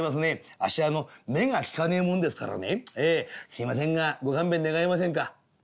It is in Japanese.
あっしは目が利かねえもんですからねすいませんがご勘弁願えませんか」。